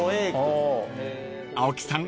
［青木さん